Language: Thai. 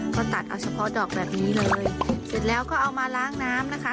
ก็ตัดเอาเฉพาะดอกแบบนี้เลยเสร็จแล้วก็เอามาล้างน้ำนะคะ